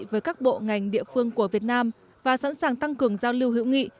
với các bộ ngành địa phương của việt nam và sẵn sàng tăng cường giao lưu hữu nghị